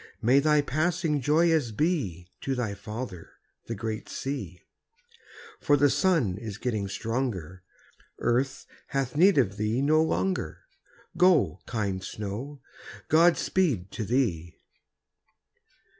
May thy passing joyous be To thy father, the great sea, For the sun is getting stronger; Earth hath need of thee no longer; Go, kind snow, God speed to thee!